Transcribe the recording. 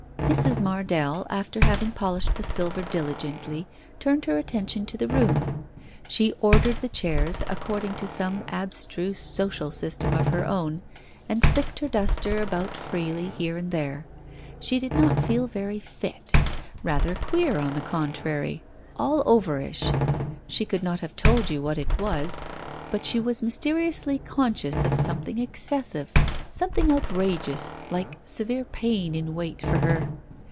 ... Mrs. Mardell, after having polished the silver dili gently, turned her attention to the room. She ordered the chairs, according to some abstruse social system of her own, and flicked her duster about feebly here and there. She did not feel very "fit." Rather queer, on the contrary ! All overish ! She could not have told you what it was, but she was mysteriously conscious of something excessive — something outrageous, like severe pain in wait for her.